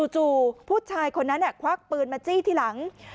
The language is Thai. จู่ผู้ชายคนนั้นควักปืนมาจี้ทีหลัง